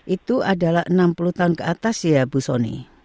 itu adalah enam puluh tahun ke atas ya bu soni